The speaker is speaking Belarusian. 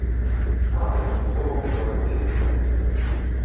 Шмат, адным словам, утварылася змен.